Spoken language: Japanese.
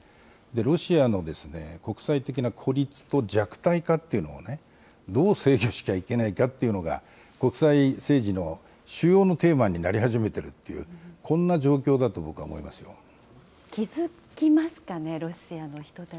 ロシアの国際的な孤立と弱体化というのをね、どう制御しなきゃいけないかっていうのが、国際政治の主要なテーマになり始めてるっていう、こんな状況だと僕は思い気付きますかね、ロシアの人